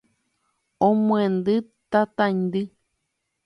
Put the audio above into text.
omyendy tataindy